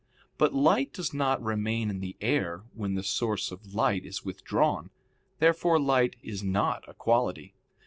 But light does not remain in the air when the source of light is withdrawn. Therefore light is not a quality.